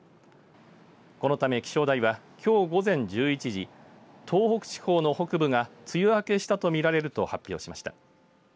このため気象台はきょう午前１１時東北地方の北部が梅雨明けしたと見られると発表しました。